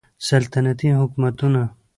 سلطنتي حکومتونه